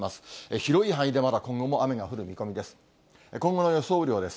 広い範囲でまだ今後も雨が降る見込みです。